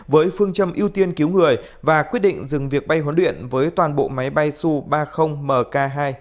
với phương châm ưu tiên cứu người và quyết định dừng việc bay huấn luyện với toàn bộ máy bay su ba mươi mk hai